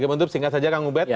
untuk singkat saja kang ubed